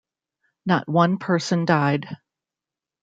Not one person died.